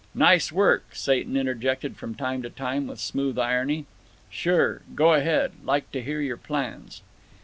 "Nice work," Satan interjected from time to time, with smooth irony. "Sure. Go ahead. Like to hear your plans."